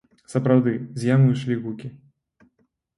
Сапраўды, з ямы ішлі гукі.